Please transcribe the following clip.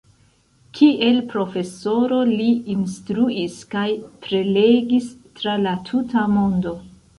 Kiel profesoro li instruis kaj prelegis tra la tuta mondo.